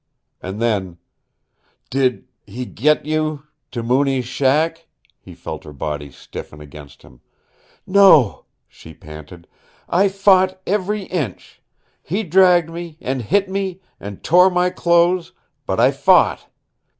And then, "Did he get you to Mooney's shack " He felt her body stiffen against him. "No," she panted. "I fought every inch. He dragged me, and hit me, and tore my clothes but I fought.